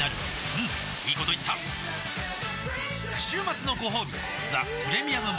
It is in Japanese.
うんいいこと言った週末のごほうび「ザ・プレミアム・モルツ」